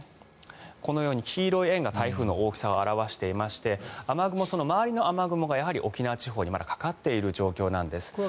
このように黄色い円が台風の大きさを表していましてその周りの雨雲がやはり沖縄地方にかかっている状態なんです。